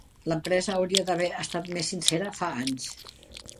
L'empresa hauria d'haver estat més sincera, fa anys.